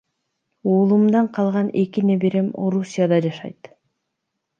Улуумдан калган эки неберем Орусияда жашайт.